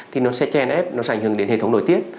thì nó sẽ chèn ép nó sẽ ảnh hưởng đến hệ thống nội tiết